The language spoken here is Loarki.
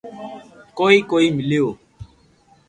ڪوئي ڪوئي ميليو